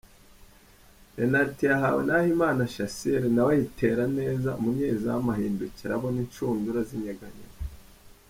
Penaliti yahawe Nahimana Shassir nawe ayitera neza umunyezamu ahindukira abona inshundura zinyeganyega.